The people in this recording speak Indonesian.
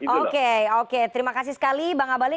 oke oke terima kasih sekali bang abalin